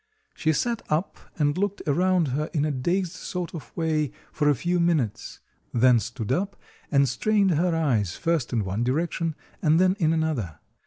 She sat up and looked around her in a dazed sort of way for a few minutes, then stood up and strained her eyes, first in one direction and then in another.